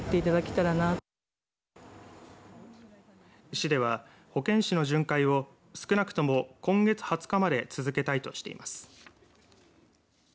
市では保健師の巡回を少なくとも今月２０日まで続けたいとしています。